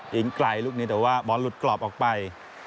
ยิงไกลลูกนี้แต่ว่าบอลหลุดกรอบออกไป